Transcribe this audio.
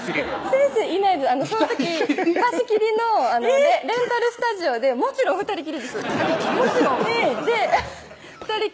先生いないですその時貸し切りのレンタルスタジオでもちろん２人きりです２人きりで？